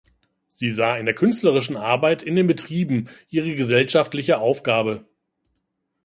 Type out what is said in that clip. Sie sah in der künstlerischen Arbeit in den Betrieben ihre gesellschaftliche Aufgabe.